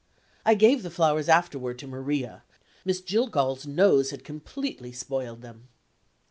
I gave the flowers afterward to Maria; Miss Jillgall's nose had completely spoiled them.